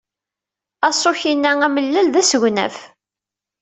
Aṣuk-inna amellal d asegnaf.